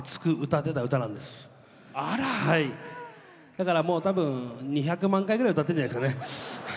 だからもう多分２００万回ぐらい歌ってんじゃないですかね。